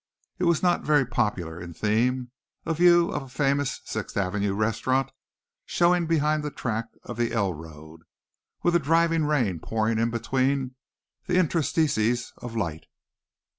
It was not very popular in theme, a view of a famous Sixth Avenue restaurant showing behind the track of the L road, with a driving rain pouring in between the interstices of light.